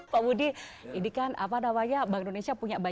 setelah kenteroo malas dan gempa muda